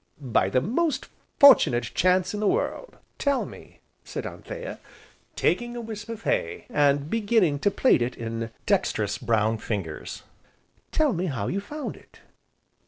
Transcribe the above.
"By the most fortunate chance in the world." "Tell me," said Anthea, taking a wisp of hay, and beginning to plait it in dexterous, brown fingers, "tell me how you found it."